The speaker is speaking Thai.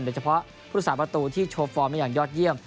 แต่เฉพาะผู้ส่าประตูที่โชว์ฟอร์มของมันอย่างยอดเยี่ยม